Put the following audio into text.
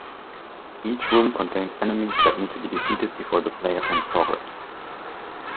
Each room contains enemies that need to be defeated before the player can progress.